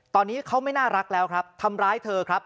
ตอนนี้เขาไม่น่ารักแล้วครับทำร้ายเธอครับ